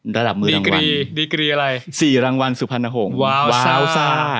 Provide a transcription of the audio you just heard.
ระดับมือรางวัลอะไรสี่รางวัลสุพรรณหงษ์